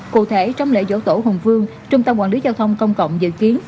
cụ thể trong lễ dỗ tổ hùng vương trung tâm quản lý giao thông công cộng dự kiến